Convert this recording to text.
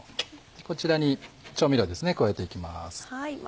こちらに調味料です加えていきます。